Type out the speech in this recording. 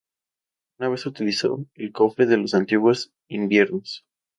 Una vez utilizó el "Cofre de los Antiguos Inviernos".